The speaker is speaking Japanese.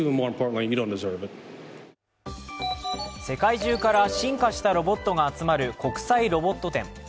世界中から進化したロボットが集まる国際ロボット展。